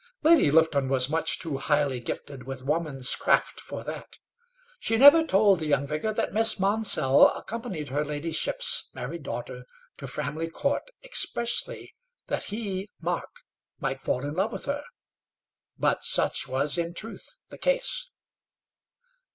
Lady Lufton was much too highly gifted with woman's craft for that. She never told the young vicar that Miss Monsell accompanied her ladyship's married daughter to Framley Court expressly that he, Mark, might fall in love with her; but such was in truth the case.